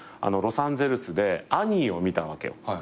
ロサンゼルスで『アニー』を見たわけよ。